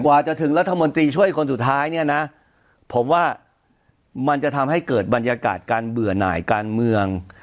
กว่าจะถึงรัฐมนตรีช่วยคนสุดท้ายเนี่ยนะผมว่ามันจะทำให้เกิดบรรยากาศการเบื่อหน่ายการเมือง